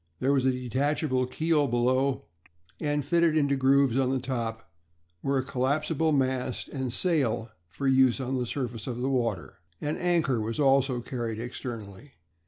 There was a detachable keel below; and fitted into groves on the top were a collapsible mast and sail for use on the surface of the water. An anchor was also carried externally.